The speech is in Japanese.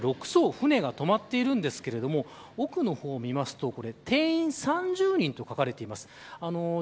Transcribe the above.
今も６そう舟が止まっているんですけど奥の方を見ると定員３０人と書かれています。